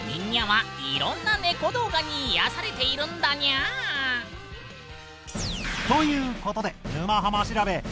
にゃはいろんなネコ動画に癒やされているんだにゃ。ということで「沼ハマ」調べ！